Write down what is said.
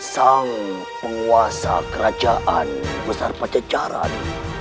sang penguasa kerajaan pajajaran